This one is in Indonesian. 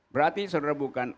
berarti saudara bukan